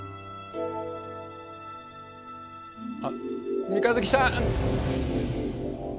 あっ三日月さん。